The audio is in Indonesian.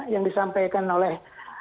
yang disampaikan oleh